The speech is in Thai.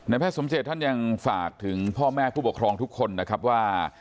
แพทย์สมเจตท่านยังฝากถึงพ่อแม่ผู้ปกครองทุกคนนะครับว่า